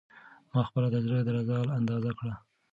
ما خپله د زړه درزا اندازه کړه.